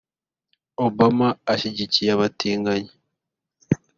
Obama ashyigikiye abatinganyi